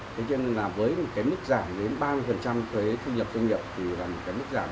thế cho nên là với mức giảm đến ba mươi thuế thu nhập doanh nghiệp thì là một cái mức giảm